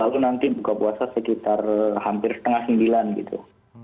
lalu nanti buka puasa sekitar hampir setengah sembilan gitu